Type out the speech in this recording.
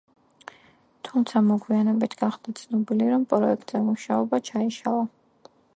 თუმცა მოგვიანებით გახდა ცნობილი, რომ პროექტზე მუშაობა ჩაიშალა.